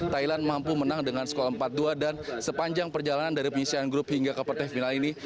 thailand mampu menang dengan skor empat dua dan sepanjang perjalanan dari penyisian grup hingga ke partai final ini